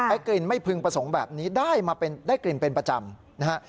ไอ้กลิ่นไม่พึงประสงค์แบบนี้ได้กลิ่นเป็นประจำ